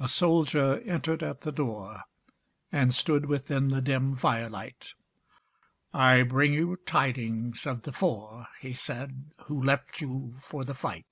A soldier entered at the door, And stood within the dim firelight: "I bring you tidings of the four," He said, "who left you for the fight."